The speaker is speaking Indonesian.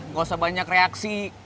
gak usah banyak reaksi